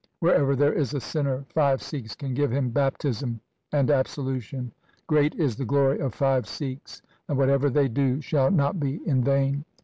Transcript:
Wherever there is a sinner, five Sikhs can give him baptism and absolution. Great is the glory of five Sikhs, and whatever they do shall not be in vain.